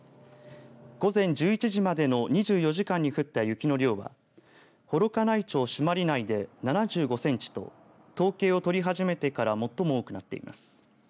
午前１１時までの２４時間に降った雪の量は幌加内町朱鞠内で７５センチと統計を取り始めてから最も多くなっています。